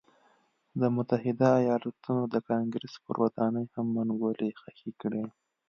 د متحده ایالتونو د کانګرېس پر ودانۍ هم منګولې خښې کړې.